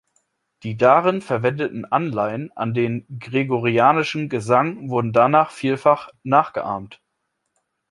Die darin verwendeten Anleihen an den gregorianischen Gesang wurden danach vielfach nachgeahmt.